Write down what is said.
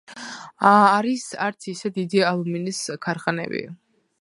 არის არც ისე დიდი ალუმინის ქარხნები.